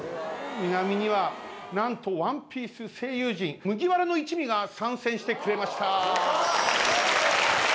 南には何と『ワンピース』声優陣麦わらの一味が参戦してくれました。